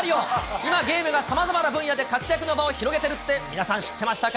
今、ゲームが様々な分野で活躍の場を広げてるって、皆さん、知ってましたか？